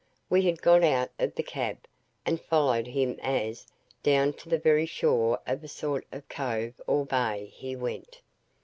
We had got out of the cab, and followed him as, down to the very shore of a sort of cove or bay, he went.